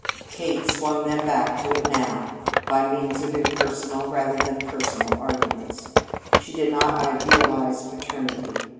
Kate swung them back to it now, by means of impersonal rather than personal arguments. She did not idealize paternity.